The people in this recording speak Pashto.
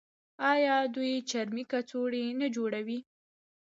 آیا دوی چرمي کڅوړې نه جوړوي؟